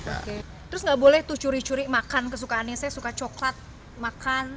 oke terus nggak boleh tuh curi curi makan kesukaannya saya suka coklat makan